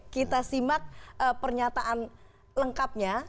kita simak pernyataan lengkapnya